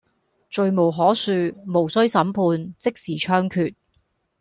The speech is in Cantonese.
罪無可恕，無需審判，即時槍決